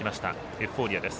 エフフォーリアです。